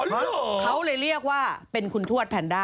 เขาเลยเรียกว่าเป็นคุณทวดแพนด้า